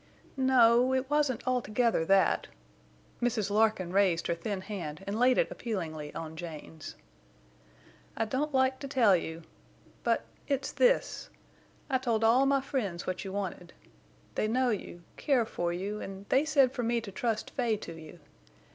"No, it wasn't altogether that." Mrs. Larkin raised her thin hand and laid it appealingly on Jane's. "I don't like to tell you. But—it's this: I told all my friends what you wanted. They know you, care for you, and they said for me to trust Fay to you.